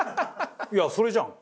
いやそれじゃん。